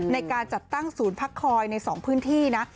ในการจัดตั้งศูนย์พักคอยใน๒พื้นที่นะ